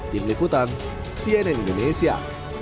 tim liputan cnn indonesia